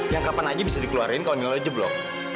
yang kapan aja bisa dikeluarin kalo nilai lo jeblok